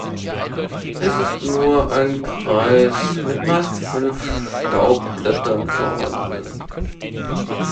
Es ist nur ein Kreis mit meist fünf Staubblättern vorhanden.